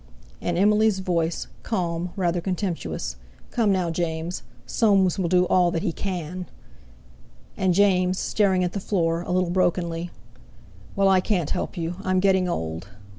And Emily's voice, calm, rather contemptuous: "Come, now, James! Soames will do all that he can." And James, staring at the floor, a little brokenly: "Well, I can't help you; I'm getting old.